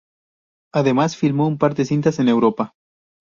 Además, filmó un par de cintas en Europa.